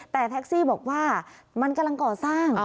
แต่แท็กซี่บอกว่ามันกำลังก่อสร้าง